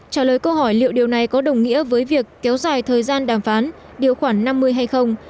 trả lời câu hỏi liệu điều này có đồng nghĩa với việc kéo dài thời gian đàm phán điều khoảng năm mươi hay không